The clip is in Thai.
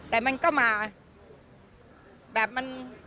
แต่มันก็มาแบบมัน